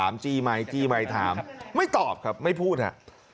ไม่ตอบครับไม่พูดฮ่ะ